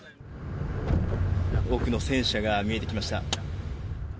多くの戦車が見えてきました。